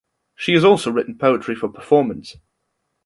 She has also written poetry for performance.